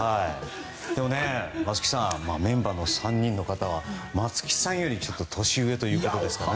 松木さん、メンバーの３人は松木さんよりちょっと年上ということですから。